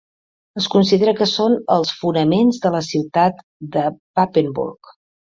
Es considera que són els fonaments de la ciutat de Papenburg.